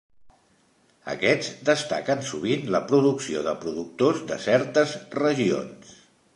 Aquests destaquen sovint la producció de productors de certes regions.